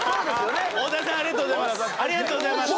太田さんありがとうございます。